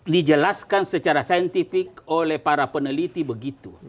dijelaskan secara saintifik oleh para peneliti begitu